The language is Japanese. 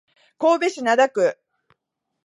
神戸市灘区